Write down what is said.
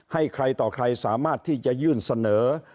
ให้ใครต่อใครสามารถที่จะยื่นเสนอ